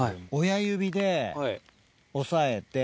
親指で押さえて。